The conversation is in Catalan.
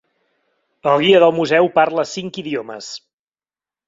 El guia del museu parla cinc idiomes.